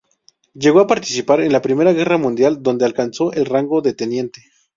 Llegó a participar en la Primera Guerra Mundial, donde alcanzó el rango de teniente.